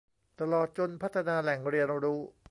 ตลอดจนพัฒนาแหล่งเรียนรู้